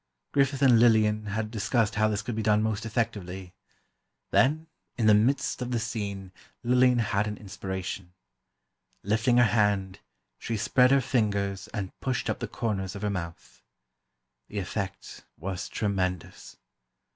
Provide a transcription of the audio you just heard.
Griffith and Lillian had discussed how this could be done most effectively. Then, in the midst of the scene, Lillian had an inspiration: Lifting her hand, she spread her fingers and pushed up the corners of her mouth. The effect was tremendous.